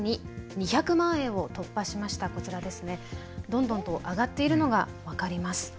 どんどんと上がっているのが分かります。